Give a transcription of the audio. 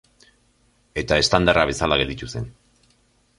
Eta estandarra bezala gelditu zen.